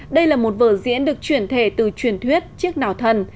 đây là một vở diễn được chuyển thể từ truyền thuyết chiếc nò thần